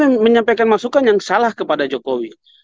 yang menyampaikan masukan yang salah kepada jokowi